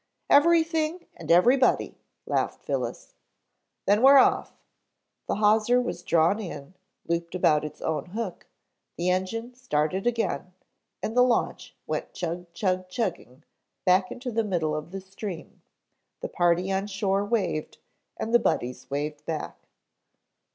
"Everything and everybody," laughed Phyllis. "Then we're off." The hawser was drawn in, looped about its own hook, the engine started again, and the launch went chug chug chugging back into the middle of the stream, the party on shore waved, and the Buddies waved back.